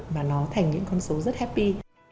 mà nó thành những con số rất happy